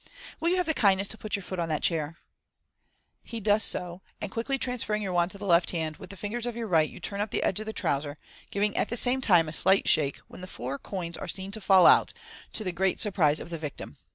Will you have the kindness to put your foot on that chair ?*" He does so, and quickly transferring your wand to the left hand, with the fingers of the right you turn up the edge of the trouser, giving at the same time a slight shake, when the four coins are seen to fall out, to the great surprise of the victim.